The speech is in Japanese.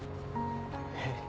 えっ？